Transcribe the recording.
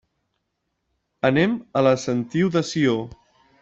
Anem a la Sentiu de Sió.